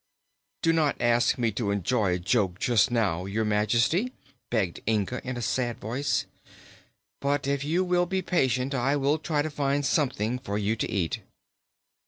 "Do not ask me to enjoy a joke just now, Your Majesty," begged Inga in a sad voice; "but if you will be patient I will try to find something for you to eat."